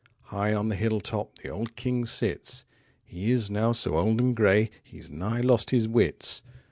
High on the hill top The old King sits; He is now so old and gray He 's nigh lost his wits.